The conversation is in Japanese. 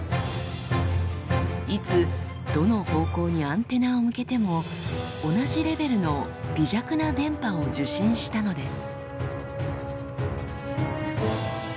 いつどの方向にアンテナを向けても同じレベルの微弱な電波を受信したのです。